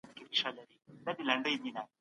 ما تېر کال خپل ټول زکات ادا کړ.